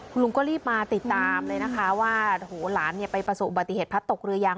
คุณลุงก็รีบมาติดตามเลยนะคะว่าหลานไปประสบอุบัติเหตุพัดตกเรือยัง